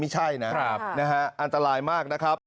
ไม่ใช่นะครับนะฮะอันตรายมากนะครับ